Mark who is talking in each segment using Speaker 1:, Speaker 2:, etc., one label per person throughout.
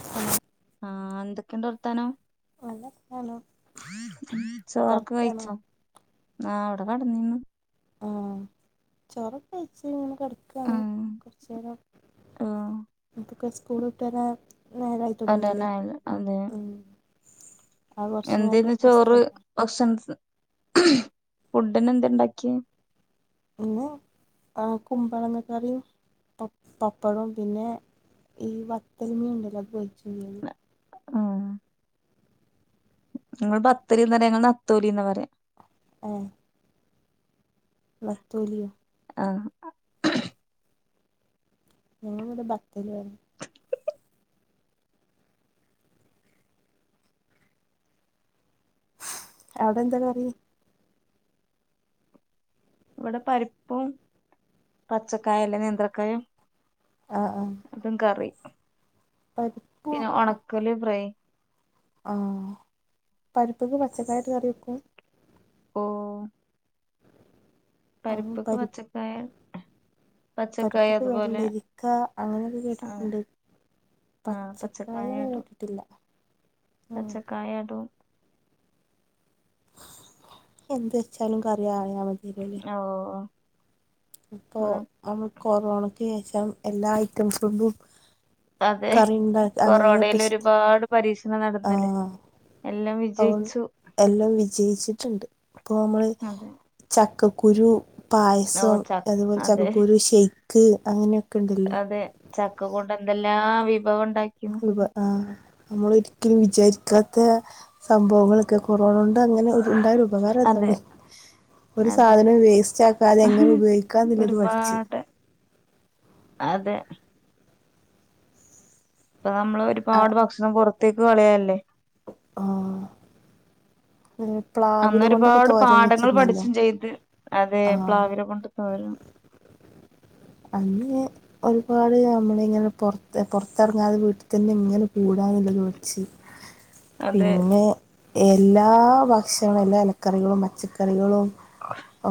Speaker 1: ആഹ [inaudible]
Speaker 2: ആഎന്തൊക്കെയണ്ട് വർത്താനം
Speaker 1: നല്ലാനാണ്
Speaker 2: ചോർക്ക് കഴിച്ചോ ആ പ്പകട നിന്നു
Speaker 1: ആ ചൊറൊക്കെകഴിച്ചു ഇങ്ങനെ കടക്കയാണ്
Speaker 2: ആഹ്
Speaker 1: കുറച്ചു നേരം
Speaker 2: ആഹ്
Speaker 1: ഒ സ്കൂൾ വിട്ട് വരാൻ നേരായി തൊടങ്ങിയില്ലേ
Speaker 2: അതന്നല്ല അതെ
Speaker 1: ഉം അത് കൊറച്ച്
Speaker 2: എന്തന്ന്
Speaker 1: നേരം
Speaker 2: ച്ചോറ്
Speaker 1: റെസ്റ്റല്ലേ
Speaker 2: ഭക്ഷണം ഫുഡന്നെ എന്ത ഇണ്ടാക്കി
Speaker 1: പിന്നെ കുമ്പളങ്ങ കറിയും പ പപ്പടവും പിന്നെ ഈ വത്തലമീ ഉണ്ടല്ലോ അത് പൊരിച്ചതും
Speaker 2: ആഹ് ഞങ്ങൾ ബത്തലന്ന് പറയാ ഞങ്ങൾ നത്തോലീന്നന്ന് പറയാ
Speaker 1: ആ വത്തോലിയ
Speaker 2: ആ
Speaker 1: ഞടെ ബത്തര അവിടെ എന്താ കറി
Speaker 2: ഇവിടെ പരിപ്പും പച്ചക്കായ അല്ലേ നേന്ത്രക്കായും
Speaker 1: ആഹ് ആഹ്
Speaker 2: അതും കറി
Speaker 1: പരിപ്പും
Speaker 2: പിന്നെ ഉണക്കല് ഫ്രൈ
Speaker 1: ആ പരിപ്പക്ക് പച്ചക്കായിട്ട് കറി വക്കും
Speaker 2: ഓ പരിപ്പൊക്ക് പച്ചക്കായാൽ
Speaker 1: പരിപ്പക്ക് വെള്ളരിക്ക അങ്ങനെയൊക്കെ
Speaker 2: ആഹ്
Speaker 1: കേട്ടിട്ടുണ്ട്
Speaker 2: ആഹ്
Speaker 1: പച്ചക്കായ അങ്ങനെ
Speaker 2: ഇടും
Speaker 1: കേട്ടിട്ടില്ല
Speaker 2: പച്ചക്കായ ഇടും
Speaker 1: എന്ത് [unintelligible]
Speaker 2: ഓ
Speaker 1: ഇപ്പൊ കൊറോണ അത് ശേഷം എല്ലാ ഐറ്റംസും
Speaker 2: അതെ കൊറോണൽ ഒരുപാട് പരീക്ഷണം
Speaker 1: ആ
Speaker 2: നടന്നില്ലേ എല്ലാം
Speaker 1: അൾ
Speaker 2: വിജയിച്ചു
Speaker 1: എല്ലാം വിജയിച്ചിട്ടുണ്ട് ഇപ്പ നമ്മള്
Speaker 2: അതെ
Speaker 1: [unintelligible]
Speaker 2: ഓ
Speaker 1: പായസം
Speaker 2: ച
Speaker 1: അതുപോലെ
Speaker 2: അതെ
Speaker 1: ചകക്കൂരു ക്ക് അങ്ങനെയൊക്കെ കണ്ടല്ലോ
Speaker 2: അതെ ചക്ക കൊണ്ട് എന്തെല്ലാം വിഭവം ഉണ്ടാക്കിന്ന്
Speaker 1: നമ്മൾ ഒരിക്കലും വിചാരിക്കാത്ത സംഭവങ്ങളൊക്കെ കൊറോണണ്ട് അങ്ങനെ ഉണ്ടായരു
Speaker 2: അതെ
Speaker 1: ഉപകാരത്തണ്ട് ഒരു
Speaker 2: അതെ
Speaker 1: സാധനം വേസ്റ്റ് ആക്കാതെ എങ്ങനെ ഉപയോഗിക്കാ എന്നുള്ളത് പഠിച്ച്
Speaker 2: ഒരുപാട് അതെ ഇപ്പ നമ്മള്
Speaker 1: ആ
Speaker 2: ഒരുപാട് ഭക്ഷണം ത്തേക്ക് കളയല്ലേ
Speaker 1: ആ
Speaker 2: അന്ന്
Speaker 1: പ്ലാവില കൊണ്ടൊക്കെ
Speaker 2: ഒരുപാട്
Speaker 1: തോരൻ
Speaker 2: പാഠങ്ങൾ
Speaker 1: വെച്ചിരുന്നല്ലോ
Speaker 2: പഠിച്ചും ചെയ്ത് അതെ
Speaker 1: ആ
Speaker 2: പ്ലാവില കൊണ്ട് തോരൻ
Speaker 1: അങ്ങനെ ഒരുപാട് നമ്മള ഇങ്ങനെ പുൊറത്ത് പുറത്തിറങ്ങാതെ വീട്ടിൽ തന്നെ ഇങ്ങനെ കൂടാനല്ല [unintelligible]
Speaker 2: അതെ
Speaker 1: പിന്നെ എല്ലാ ഭക്ഷണും എല്ലാ ഇലക്കറികളും പച്ചക്കറികളും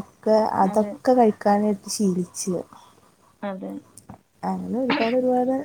Speaker 1: ഒക്കെ
Speaker 2: അതെ
Speaker 1: അതൊക്കെ കഴിക്കാനട്ട് [unintelligible]
Speaker 2: അതെ
Speaker 1: അങ്ങനെ ഒരുപാട് ഒരുപാട്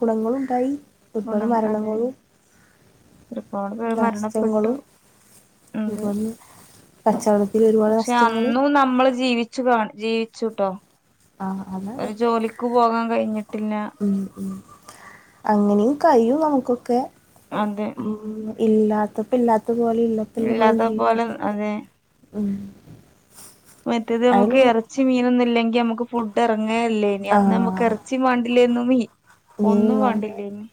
Speaker 1: ഗുണങ്ങളുണ്ടായി ഒരുപാട്
Speaker 2: ഗുണം അത്
Speaker 1: മരണങ്ങളും
Speaker 2: ഒരുപാട് പേര് മരണപ്പെട്ടു
Speaker 1: നഷ്ടങ്ങളും
Speaker 2: എന്ത്
Speaker 1: അതുപോലെ കച്ചവടത്തിൽ ഒരുപാട്
Speaker 2: പക്ഷെ
Speaker 1: നഷ്ടങ്ങൾ
Speaker 2: അന്നും നമ്മള് ജീവിച്ചു കാണി ജീവിച്ചുട്ടോ
Speaker 1: ആ അതാണ്
Speaker 2: ഒരു ജോലിക്ക് പോകാൻ കയിഞ്ഞ്
Speaker 1: ഉം ഉം അങ്ങനെയും കയ്യും നമുക്കൊക്കെ
Speaker 2: അതെ
Speaker 1: ഇല്ലാത്തപ്പ ഇല്ലാ ത്തു പോലെ ഇല്ലത്തപോലെയും
Speaker 2: ഇല്ലാതെ
Speaker 1: ജീവിക്കാൻ
Speaker 2: പോലെ
Speaker 1: നോക്ക
Speaker 2: അതെ
Speaker 1: ഉം
Speaker 2: മറ്റേത്
Speaker 1: അതിൽ
Speaker 2: നമക്ക് ഇറച്ചി മീനൊന്നുംല്ലെ ഞമ്മക്ക് ഫുഡ് എറ ങ്ങേ ഇല്ലേനി അന്ന് നമുക്ക് ഇറച്ചി വാണ്ടി ഇല്ലെന്നു മീ
Speaker 1: മീൻ
Speaker 2: ഒന്നും
Speaker 1: വേണ്ട
Speaker 2: വേണ്ടില്ലേ നി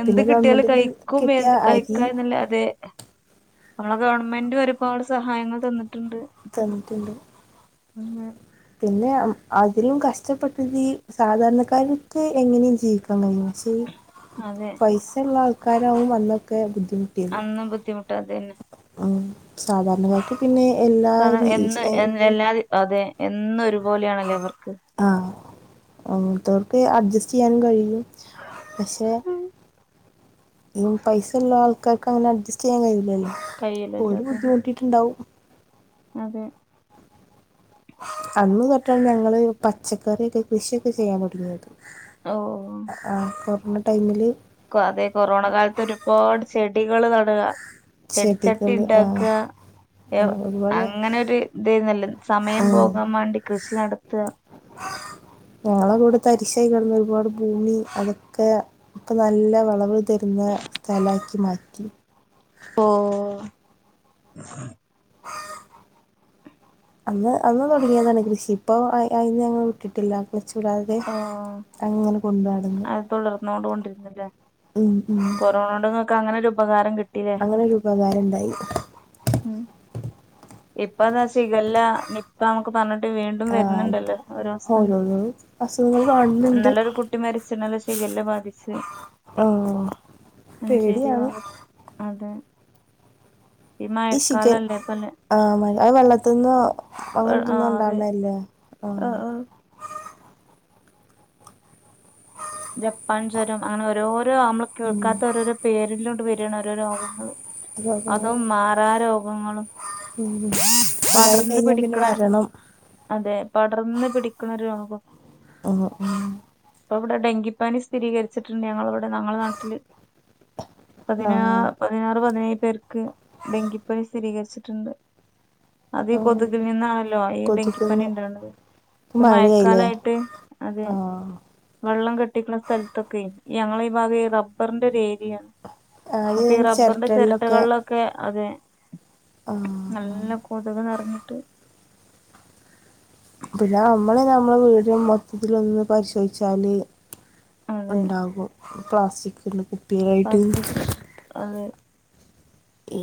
Speaker 2: എന്ത്
Speaker 1: പിന്നെ
Speaker 2: കിട്ടിയാലും
Speaker 1: ഗവൺമെൻറ്റിൽ
Speaker 2: കഴിക്കും എ
Speaker 1: കിട്ടിയ അരി
Speaker 2: കഴിക്കാന്നല്ലേ അതെ നമ്മള ഗവൺമെന്റ് ഒരുപാട് സഹായങ്ങൾ തന്നിട്ടുണ്ട്
Speaker 1: തന്നിട്ടുണ്ട്
Speaker 2: ഉം
Speaker 1: പിന്നെ അതിലും കഷ്ടപ്പെട്ടത് ഈ സാധാരണക്കാർക്ക് എങ്ങനെയും ജീവിക്കാൻ കഴിയും പക്ഷേ ഈ
Speaker 2: അതെ
Speaker 1: പൈസള്ള ആൾ ക്കാരാവും അന്നൊക്കെ ബുദ്ധി
Speaker 2: അന്നും ബുദ്ധിമുട്ട് അതന്നെ
Speaker 1: ഉം. സാധാരണക്കാർക്ക് പിന്നെ എല്ലാ
Speaker 2: സാധ
Speaker 1: രീ
Speaker 2: എന്ന്
Speaker 1: ഏ-
Speaker 2: എന്നും എല്ലാ അതെ എന്നൊരു പോലെയാണല്ലേ ഇവർക്ക്
Speaker 1: അങ്ങൻത്തവർക്ക് അഡ്ജസ്റ്റ് ചെയ്യാനും കഴിയും പക്ഷെ ഈ പൈസള്ള ആൾ ക്കാർക്കങ്ങനെ അഡ്ജസ്റ്റ് ചെയ്യാൻ കയ്യൂല്ലല്ലോ
Speaker 2: കയ്യിലല്ലോ
Speaker 1: ഓര്
Speaker 2: അതന്നെ
Speaker 1: ബുദ്ധിമുട്ടിട്ടിണ്ടാവും
Speaker 2: അതെ
Speaker 1: അന്ന് തൊട്ടാണ് ഞങ്ങള് പച്ചക്കറിക്കെ കൃഷിയൊക്കെ ചെയ്യാൻ തുടങ്ങിയത്
Speaker 2: ഓ
Speaker 1: ആ കൊർ മ്മ ടൈമില്
Speaker 2: അതെ കൊറോണ കാലത്ത് ഒരുപാട് ചെ ടികള് നട്ക ചെടിച്ചട്ടി
Speaker 1: ചെടികൾ ആ,
Speaker 2: ഉണ്ടാക്കാ
Speaker 1: അങ്ങനെ ഒരുപാട്
Speaker 2: അങ്ങനൊരു ഇതേന്നല്ലോ സമയം
Speaker 1: ആഹ്
Speaker 2: പോകാൻ മാണ്ടി കൃഷി നടത്താ
Speaker 1: ഞങ്ങളെ കൂടെ തരിശായി കിടന്ന ഒരുപാട് ഭൂമി അതൊക്കെ ഇപ്പൊ നല്ല വെളവ് തരുന്നെ സ്ഥലക്കി മാറ്റി ക്കി
Speaker 2: പോ
Speaker 1: അന്ന് അന്ന് തുടങ്ങിയതാണ് കൃഷി ഇപ്പൊ അതിന് ഞങ്ങൾ വിട്ടിട്ടില്ല ക്ലച്ചുടാതെ
Speaker 2: ഓ
Speaker 1: അങ്ങനെ കൊണ്ട് നടന്ന്
Speaker 2: അത് തുളർന്നൊണ്ട് കൊണ്ടിരുന്നില്ലേ
Speaker 1: ഉം
Speaker 2: കൊറോണ കൊണ്ട് ഇങ്ങക്ക് അങ്ങനെരു ഉ ഉപകാരം കി
Speaker 1: അങ്ങെനെരു ഉപകാരം ഇണ്ടായി
Speaker 2: ഉം ഇപ്പ അതാ ഷിഗെല്ല നിപ്പ അമ്മെക്ക് പർൺ
Speaker 1: ആ ഇപ്പോ ഓരോന് അസു
Speaker 2: ഇല്ലൊരു കുട്ടി മരിച്ച് നല്ല ശിഖല്ല ബാധിച്ചു
Speaker 1: ആഹ്
Speaker 2: മഞ്ചേരി
Speaker 1: പേടിയാണ്
Speaker 2: ഭഗ അതെ
Speaker 1: ഈ ഷിഗെൽ
Speaker 2: മഴക്കാലല്ലേ ഇപ്പല്ലേ
Speaker 1: ആഹ് മഴ അയ് വെള്ളത്ത്ന്നോ അങ്ങെനെ
Speaker 2: ആ
Speaker 1: എന്ത്ന്നോ
Speaker 2: അതെ
Speaker 1: ഇണ്ടാവ്ണെ അല്ലെ? ആഹ്
Speaker 2: ജപ്പാൻ ജ്വരം അങ്ങനെ ഓരോരോ അമ്മെൾ
Speaker 1: ഉം
Speaker 2: കേൾക്കാത്ത ഓരോരോ പേരിലുംണ്ട് വെരാണ് ഓരോ രോഗങ്ങെൾ
Speaker 1: രോഗങ്ങള്
Speaker 2: അതും മാറാ രോഗങ്ങെളും
Speaker 1: ഉം അതായി
Speaker 2: പടെർന്ന്
Speaker 1: കഴിഞ്ഞാ പിന്നെ
Speaker 2: പിടിക്ക്ണെ
Speaker 1: വരണം
Speaker 2: അതെ പടെർന്ന് പിടിക്ക്ണൊരു രോഗം
Speaker 1: ആഹ് ആഹ്
Speaker 2: ഇപ്പ ഇവെടെ ഡെങ്കിപ്പനി സ്ഥിരീകെരിച്ചിട്ട് ഇണ്ട് ഞങ്ങെളെ ഇവെ ടെ നങ്ങെളെ നാട്ടിൽ
Speaker 1: ലാ
Speaker 2: പതിനാ പതിനാറ് പതിനേഴ് പേർക്ക് ഡെങ്കിപ്പനി സ്ഥിരികെര്ച്ച് ട്ട് ഇണ്ട് അത് ഈ
Speaker 1: ഉം.
Speaker 2: കൊതുകിൽ നിന്നാണല്ലോ ഈ ഡെങ്കിപ്പനി
Speaker 1: കൊതിക്കുന്നു
Speaker 2: ഇണ്ടാവ്ണെത്
Speaker 1: ഇപ്പൊ
Speaker 2: ഇപ്പ
Speaker 1: മഴയായില്ലേ
Speaker 2: മഴക്കാലായിട്ട് അതെ
Speaker 1: ആഹ്
Speaker 2: വള്ളം കെട്ടിക്ക്ണ സ്ഥൽത്തൊക്കെയ് ഞങ്ങെളെ ഈ ഭാഗം ഈ റബ്ബെറിന്റെ ഒര് ഏരിയാണ് അപ്പ ഈ
Speaker 1: ആദ്യം
Speaker 2: റബ്ബെറിന്റെ ചെരട്ടകൾലൊക്കെ അതെ
Speaker 1: ഉം ഉം
Speaker 2: പൊതുവെ നെറ്ഞ്ഞിട്ട്
Speaker 1: പിന്നെ നമ്മള് നമ്മള വീട് മൊത്തത്തില് ഒന്ന് പരിശോധിച്ചാല്
Speaker 2: അത്
Speaker 1: ഉണ്ടാകും ക്ലാസിക്
Speaker 2: പസക്ക് അതെ
Speaker 1: ഈ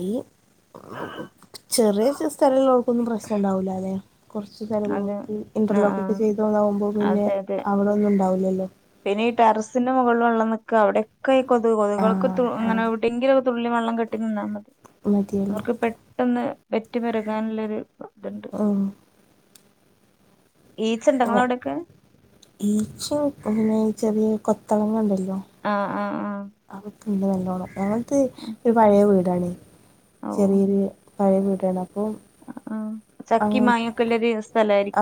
Speaker 1: ചെറിയ സ്ഥലോർക്കൊന്നും പ്രശ്നം ഇണ്ടാവൂലലെ കൊറ്ച്ച്
Speaker 2: അത്
Speaker 1: ത്തലല്ളോൾക്ക്
Speaker 2: ആ
Speaker 1: ഇൻ്റർലോക്ക്
Speaker 2: ആ
Speaker 1: ഒക്കെ ചെയ്തോന്നാകുമ്പോ പിന്നെ
Speaker 2: അതെ അതെ
Speaker 1: അവിടൊന്നും ഇണ്ടാവുല്ലല്ലോ
Speaker 2: പിന്നെ ഈ ടെറസിന്റെ മുകള് ൽ വള്ളം നിക്ക അവിട്യക്കെ കൊതു കൊതുകൾക്ക്
Speaker 1: ആഹ് ആഹ്
Speaker 2: അങ്ങനെവിടെങ്കില തുള്ളി വെള്ളം കെട്ടി നിന്നാ മതി
Speaker 1: മതിയല്ലോ
Speaker 2: അവർക്ക് പെട്ടെന്ന് പെറ്റ് പെരുകാനുള്ളൊരു ഇതുണ്ട്
Speaker 1: ഓ
Speaker 2: ഈച്ച ഇണ്ടോ
Speaker 1: മുന്നെ
Speaker 2: ഇങ്ങളെ അവിടെയൊക്കെ
Speaker 1: ഈച്ച പിന്നെ ചെറിയെ കൊത്തള്ങ്ങണ്ടല്ലോ
Speaker 2: ആഹ് ആഹ് ആഹ്
Speaker 1: ആഹ് ഹു ഇല്ല നല്ലോണം ഞാൻ ത്ത് ഒരു പഴയ വീ ടാണെ
Speaker 2: ഓ
Speaker 1: ചെറിയൊരു പഴയ വീട്ണ്ട് അപ്പം
Speaker 2: ആ
Speaker 1: ആ
Speaker 2: ചക്കി മാങ്ങൊക്കെല്ലൊരു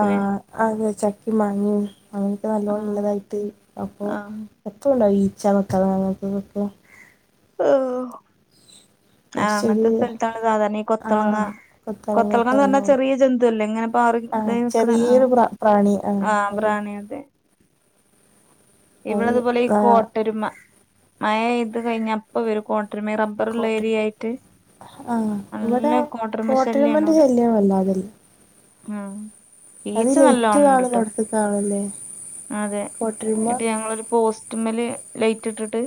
Speaker 1: ആ ആ അതെ ചക്കിം മാങ്ങിം അങ്ങനെയൊക്കെ
Speaker 2: ആ
Speaker 1: നല്ലോണം ഉള്ളതായിട്ട് അപ്പൊ
Speaker 2: ആ
Speaker 1: ഒക്കെ കൊണ്ടോയി ച്ച വെക്കാള്ള നമ്മക്ക് കിട്ട
Speaker 2: ഓ
Speaker 1: ഒരു
Speaker 2: ആഹ് അങ്ങത്തെ
Speaker 1: ചെറിയ
Speaker 2: സ്ഥല്ത്താണല്ലൊ സാധാരണെ ഈ
Speaker 1: ആ
Speaker 2: കൊത്തളങ്ങ
Speaker 1: കൊത്തളങ്ങൊക്കെ
Speaker 2: കൊത്തളങ്ങാന്ന് പറഞ്ഞാ
Speaker 1: നല്ലോണം
Speaker 2: ചെറിയ ജന്തുല്ലേ ഇങ്ങനെ പാറി
Speaker 1: ആ
Speaker 2: തായ് നിക്ക്ണെ ആ
Speaker 1: ചെറിയൊരു പ്ര പ്രാണി ആ
Speaker 2: ആഹ് പ്രാണി അതെ ഇവടെ
Speaker 1: അത്
Speaker 2: അതുപോലെ
Speaker 1: ആ
Speaker 2: കോട്ടരുമ മഴ ഇത് കഴിഞ്ഞ അപ്പ വരും കോൺ
Speaker 1: കോട്ട ആ
Speaker 2: നല്ല
Speaker 1: ഇവിടെ
Speaker 2: കോട്ടരുമ
Speaker 1: കോട്ടയമന്റെ ശല്യവല്ലാതെല്ല
Speaker 2: ആ
Speaker 1: അത് ലൈറ്റ് കാണുന്നോടുത്ത് കാണ്ല്ലേ കോട്ട്
Speaker 2: ന്നട്ട് ഞങ്ങളൊരു പോസ്റ്റ് റ്റുമ്മല് ലൈറ്റ് ഇട്ടിട്ട്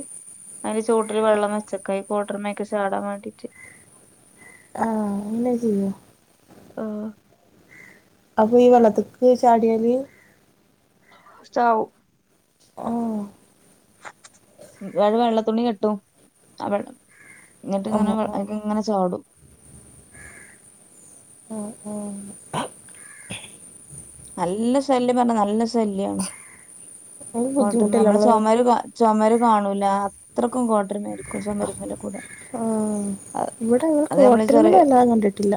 Speaker 2: അതില് ചോട്ടില് വെള്ളം വെച്ചക്കാ ഈ കോട്ടർമ്മ അഴിക് ചാടാൻ വേണ്ടിട്ട്
Speaker 1: ആ അങ്ങനെ ചെയ്യാ
Speaker 2: ആ
Speaker 1: അപ്പൊ ഈ വെള്ളത്ത്ക്ക് ചാടിയാല്
Speaker 2: ചാവും
Speaker 1: ഓ
Speaker 2: [unintelligible] വെള്ളത്തുണി കെട്ടു ആ വെള്ളം ഇങ്ങിട്ട്
Speaker 1: ആ
Speaker 2: ഇങ്ങനെ
Speaker 1: ആ
Speaker 2: അഴിക് ഇങ്ങനെ ചാടും
Speaker 1: ഓ ഓ
Speaker 2: നല്ല ശല്യം പറഞ്ഞ നല്ല ശല്യാണ്
Speaker 1: അത്
Speaker 2: കോട്ടർ
Speaker 1: ബുദ്ധിമുട്ടില്ല
Speaker 2: നമ്മളെ
Speaker 1: നമ്മള്
Speaker 2: ചുമര് ചുമര് കാണൂല്ലാ അത്രക്കും കോട്ടുറുമയായിരിക്കും ചുമരിമ്മലിക്കൂടെ
Speaker 1: ആ
Speaker 2: അ
Speaker 1: ഇവിടെ ഞങ്ങൾ
Speaker 2: അത് നമ്മളീ
Speaker 1: കോട്ടരുമനെ
Speaker 2: ചെറിയ
Speaker 1: വല്ലാതെ കണ്ടിട്ടില്ല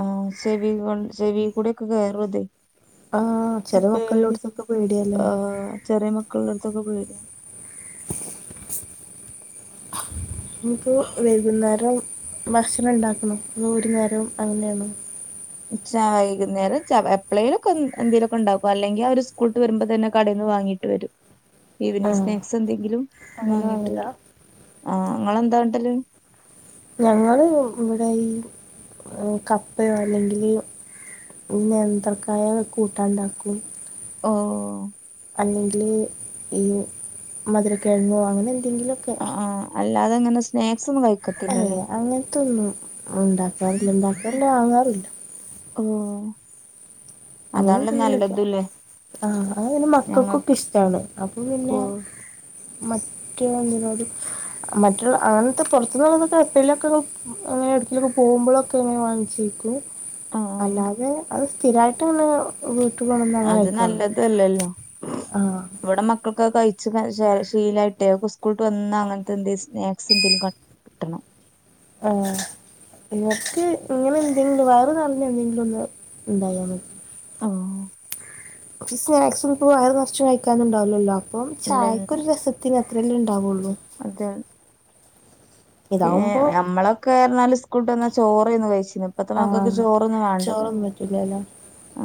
Speaker 2: ആ ചെവി ചെവികൂടെയൊക്കെ കേറും അത്.
Speaker 1: ആ ചെല മക്കളിലോടുത്തൊക്കെ പേടിയല്ലേ
Speaker 2: തൊക്കെ പോടിയാ
Speaker 1: ഇനിപ്പോ വൈകുന്നേരം ഭക്ഷണം ഇണ്ടാക്കുന്നു ഈ ഒരു നേരം അങ്ങനെയാണ്.
Speaker 2: ച്ചായികുന്നേരം എപ്പഴേലുക്കെ എന്തേലുവൊക്കെ ഉണ്ടാക്കും അല്ലെങ്കി അവര് സ്കൂള്ട്ട് വരുമ്പോ തന്നെ കടേന്ന് വാങ്ങിട്ട് വരും.
Speaker 1: ആ
Speaker 2: ഈവനിങ് സ്നാക്സ് എന്തെങ്കിലും
Speaker 1: അങ്ങനെ
Speaker 2: വാങ്ങിയിട്ട്
Speaker 1: വാങ്ങില്ല
Speaker 2: വരും ആഹ് നിങ്ങളെന്താണ്ടല്
Speaker 1: ഞങ്ങള് ഇവിടെ ഈ കപ്പയോ അല്ലെങ്കില് നേന്ത്രക്കായാ കൂട്ടാണ്ടാക്കും
Speaker 2: ഓ
Speaker 1: അല്ലെങ്കില് ഈ മധുരക്കിഴങ്ങോ അങ്ങനെയെ- എങ്കിലൊക്കെ
Speaker 2: അല്ലാതെങ്ങനെ സ്നേ
Speaker 1: ആയ അങ്ങനത്തൊന്നും ഉണ്ടാക്കാറില്ല ഉണ്ടാക്കൂല്ല വാങ്ങാറുഇല്ല
Speaker 2: ഓ
Speaker 1: അങ്ങനെ
Speaker 2: അതാണല്ലോ
Speaker 1: എന്തെങ്കിലൊക്കെ
Speaker 2: നല്ലതുല്ലേ
Speaker 1: ആ മക്കൾക്കൊക്കെ
Speaker 2: ഞങ്ങക്ക്
Speaker 1: ഇഷ്ടാണ് അപ്പൊ പിന്നെ
Speaker 2: ഓ
Speaker 1: മറ്റേ എന്തിനോടും മറ്റുള്ള അങ്ങനത്തെ പുറത്തുന്നുള്ളതൊക്കെ എപ്പോഴെങ്കിലുംഅങ്ങനെ എവിടെക്കിലൊക്കെ പോകുമ്പോഴൊക്കെ ഇങ്ങനെ വാങ്ങിച്ചേ കഴിക്കും
Speaker 2: ആ ആ
Speaker 1: അല്ലാതെ അത് സ്ഥിരായി ട്ട് തന്നെ വീട്ടുകൊണ്ട്ന്നും അങ്ങനെ
Speaker 2: അത്
Speaker 1: കയ് ക്കാറില്ല
Speaker 2: നല്ലതല്ലല്ലോ
Speaker 1: ആ
Speaker 2: ഒക്കെ കഴിച്ച് ശീലായിട്ടേ ഓക്ക് സ്കൂൾട്ട് വന്ന അങ്ങനത്തെ എന്തേലും സ്നാക്സ് എന്തേലും ക കിട്ടണം.
Speaker 1: ആ ഇവക്ക് ഇങ്ങനെ എന്തെങ്കിലും വയറ് നിറഞ്ഞ എന്തെങ്കിലും ഒന്ന് ഇണ്ടായാമതി സ്നാക്സ് ഇപ്പൊ വയറു നിറച്ചു കഴിക്കാനിണ്ടാവില്ലല്ലാ ഇപ്പോം ചായക്കൊരു രസത്തിന് ഇതല്ലേ ഇണ്ടാവുള്ളൂ
Speaker 2: അതേ പിന്നെ
Speaker 1: ഇതാവുമ്പോൾ
Speaker 2: നമ്മളൊക്കെ പറഞ്ഞാല് സ്കൂൾട്ടന്നാ ചോറായ്ന്ന് കഴിച്ച് ഇപ്പത്തെ മക്കക്ക് ചോറൊന്നും വേണ്ടല്ല
Speaker 1: ചോറൊന്നും പറ്റില്ലല്ലോ
Speaker 2: ആ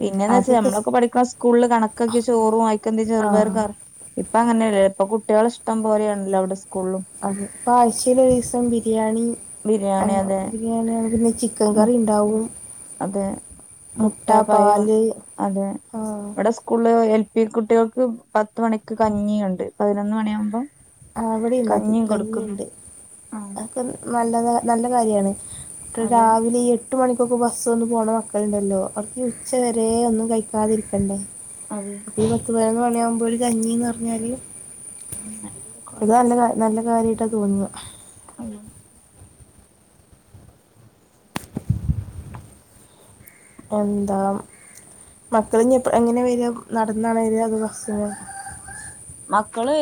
Speaker 2: പിന്നെന്നാവെച്ചാ
Speaker 1: ആദ്യമൊക്കെ സ്-
Speaker 2: നമ്മളൊക്കെ പഠിക്കണ സ്കൂളില് കണക്കെക്കെ ചോറും വായിക്കെന്തേ
Speaker 1: ആ
Speaker 2: ചെറുപയർകാർ ഇപ്പൊ അങ്ങനെയല്ലേ ഇപ്പൊ കുട്ടികളെ ഇഷ്ടം പോലെയാണല്ലോ അവിടെ സ്
Speaker 1: അതിപ്പാ ആഴ്ചയില് ഒരിസം ബിരിയാണി
Speaker 2: ബിരിയാണി അതെ
Speaker 1: ബിരിയാണി ചിക്കൻ
Speaker 2: മു
Speaker 1: കറി ഉണ്ടാവും
Speaker 2: അത്
Speaker 1: മുട്ട പാല് ആ
Speaker 2: ഈ കുട്ടികൾക്ക് പത്ത് മണിക്ക് കഞ്ഞിയുണ്ട് പതിനൊന്ന് മണിയാകുമ്പം
Speaker 1: ആ അവിടെുണ്ട് അത് കഞ്ഞിണ്ട്
Speaker 2: ആഹ്
Speaker 1: അക്കെ നല്ലത് നല്ല കാര്യാണ്
Speaker 2: അതെ
Speaker 1: രാവിലെ എട്ട് മണി ഇപ്പക്കെ ബസ് ഒന്ന് പോകണ മക്കളുണ്ടല്ലോ അവർക്ക് ഉച്ച വരെ ഒന്നും കഴിക്കാതിരിക്കണ്ടേ
Speaker 2: അതെ
Speaker 1: അ പത്ത് പേരന്ന് വേണയാ ഇ ഒരു കഞ്ഞിന്ന് പറഞ്ഞാൽ
Speaker 2: ഉം
Speaker 1: ഇത് നല്ല നല്ല കാര്യമായിട്ടാ തോന്നു
Speaker 2: ആ [unintelligible]
Speaker 1: എന്താ മക്കള് എങ്ങനെ വരു നടന്നാണ് അതോ ബസിനോ
Speaker 2: മക്കള്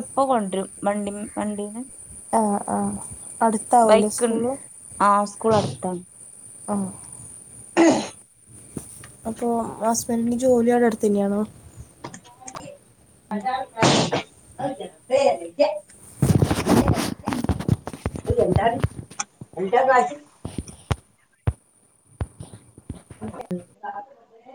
Speaker 2: ഇപ്പ കൊണ്ടരും വണ്ടി വണ്ടീന്ന്
Speaker 1: ആ ആ അടുത്താവില്ല
Speaker 2: ബൈക്ക്ണ്ട്
Speaker 1: സ്കൂള്
Speaker 2: ആഹ് സ്കൂൾ അടുത്താണ്
Speaker 1: ആഓ
Speaker 2: [unintelligible]
Speaker 1: അപ്പൊ ഹസ്ബൻഡിന്റെ ജോലിവിടെ അടുത്തന്നെയാണോ
Speaker 2: എന്താണ് എന്തജ [unintelligible] അ [unintelligible]